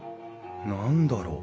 何だろう？